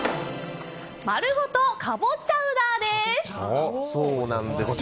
丸ごとかぼチャウダーです。